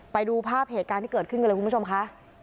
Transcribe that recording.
ไปดูภาพเหตุการณ์ที่เกิดขึ้นกันเลยคุณผู้ชมค่ะ